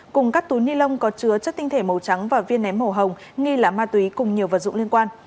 cùng các túi ni lông có chứa chất tinh thể màu trắng và viên ném màu hồng nghi là ma túy cùng nhiều vật dụng liên quan